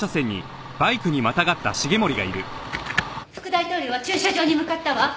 副大統領は駐車場に向かったわ。